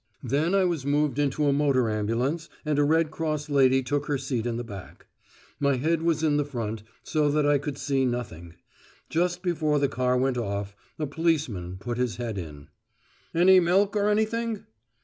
Then I was moved into a motor ambulance, and a Red Cross lady took her seat in the back. My head was in the front, so that I could see nothing. Just before the car went off, a policeman put his head in. "Any milk or anything?"